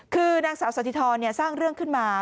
คือนางสาวสถิธรสร้างเรื่องขึ้นมา